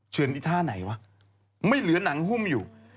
เชิญไอ้ท่าไหนวะไม่เหลือหนังหุ้มอยู่